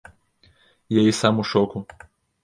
Я і сам у шоку.